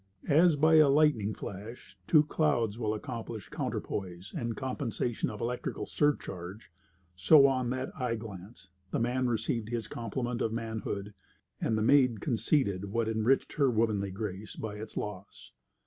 As by a lightning flash two clouds will accomplish counterpoise and compensation of electric surcharge, so on that eyeglance the man received his complement of manhood, and the maid conceded what enriched her womanly grace by its loss.